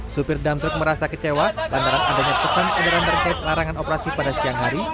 sopir damtruck merasa kecewa antara adanya pesan udara terkait larangan operasi pada siang hari